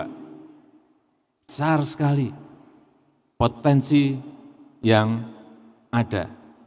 besar sekali potensi yang ada